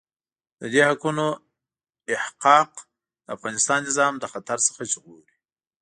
د دې حقوقو احقاق د افغانستان نظام له خطر څخه ژغوري.